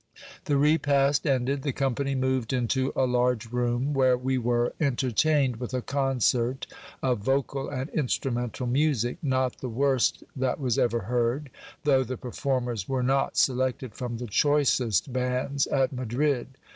The repast ended, the company moved into a large room, where we were entertained with a concert of vocal and instrumental music, not the worst that was ever heard, though the performers were not selected from the choicest bands at Madrid.